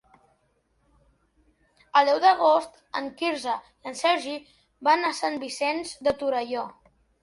El deu d'agost en Quirze i en Sergi van a Sant Vicenç de Torelló.